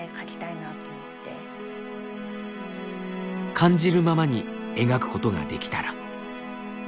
感じるままに描くことができたら。